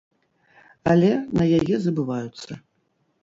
Але на яе забываюцца.